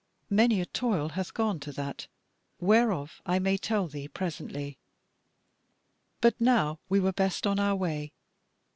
Many a toil hath gone to that, whereof I may tell thee presently; but now we were best on our way.